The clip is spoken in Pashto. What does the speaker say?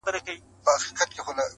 چاته د دار خبري ډيري ښې دي.